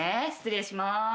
失礼します。